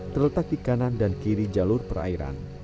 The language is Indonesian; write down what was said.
terletak di kanan dan kiri jalur perairan